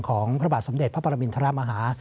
ของพระบาทสมเด็จพระปรมินทรมาฮา